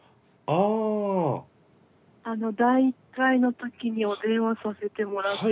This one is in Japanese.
あの第１回の時にお電話させてもらった。